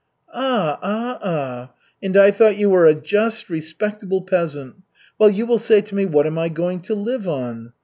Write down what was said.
"Ah, ah, ah! And I thought you were a just, respectable peasant. Well, you will say to me, what am I going to live on?